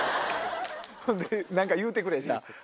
ほんで何か言うてくれじゃあ。